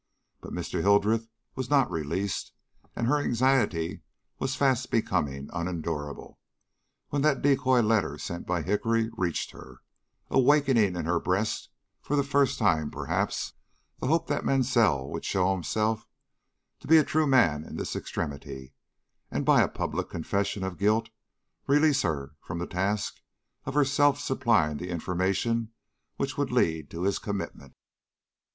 But Mr. Hildreth was not released, and her anxiety was fast becoming unendurable, when that decoy letter sent by Hickory reached her, awakening in her breast for the first time, perhaps, the hope that Mansell would show himself to be a true man in this extremity, and by a public confession of guilt release her from the task of herself supplying the information which would lead to his commitment.